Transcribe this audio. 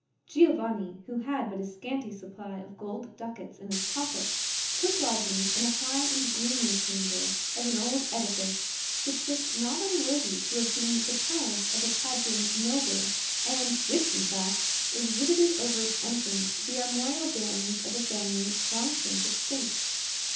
Giovanni, who had but a scanty supply of gold ducats in his pocket, took lodgings in a high and gloomy chamber of an old edifice which looked not unworthy to have been the palace of a Paduan noble, and which, in fact, exhibited over its entrance the armorial bearings of a family long since extinct.